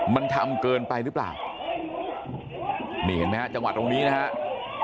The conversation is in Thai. มันทำเกินไปหรือเปล่านี่เห็นไหมฮะจังหวัดตรงนี้นะครับ